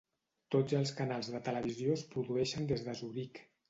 Tots els canals de televisió es produeixen des de Zuric.